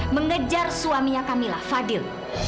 mengejar suaminya kamila fadil